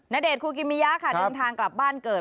ณเดชน์ครูกิมมิยาค่ะดื่มทางกลับบ้านเกิด